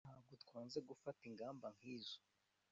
Ntabwo twanze gufata ingamba nkizo